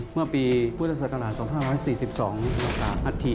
เมื่อปีพศ๒๔๔๒โหฮัศถิ